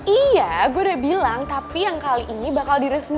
iya gue udah bilang tapi yang kali ini bakal diresmikan